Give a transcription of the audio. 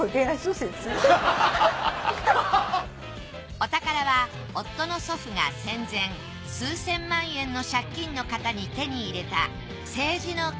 お宝は夫の祖父が戦前数千万円の借金のカタに手に入れた